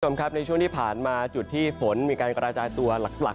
คุณผู้ชมครับในช่วงที่ผ่านมาจุดที่ฝนมีการกระจายตัวหลัก